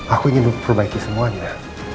aku ingin memperbaiki semuanya